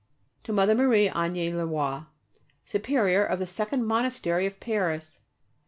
_To Mother Marie Agnes Le Roy, Superior of the Second Monastery of Paris.